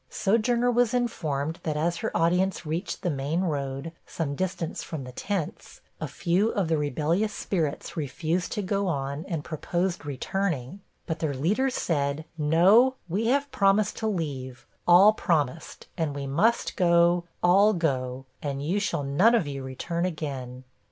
Sojourner was informed that as her audience reached the main road, some distance from the tents, a few of the rebellious spirits refused to go on, and proposed returning; but their leaders said, 'No we have promised to leave all promised, and we must go, all go, and you shall none of you return again.'